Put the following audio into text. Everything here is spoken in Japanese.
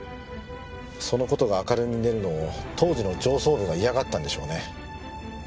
その事が明るみに出るのを当時の上層部が嫌がったんでしょうね。